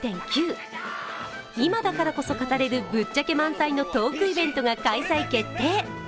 今だからこそ語れるぶっちゃけ満載のトークイベントが開催決定。